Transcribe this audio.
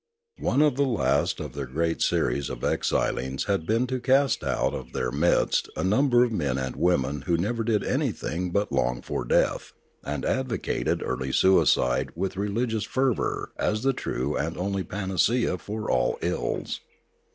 One of the last of their great series of exilings had been to cast out of their midst a number of men and women who never did anything but long for death, and advocated early suicide with religious fervour as the true and only panacea for all ills.